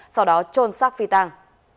sau đó trôn sắc phi tăng